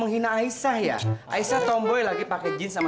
oh robin akisahnya aisyah tomboy lagi pakai jeans sama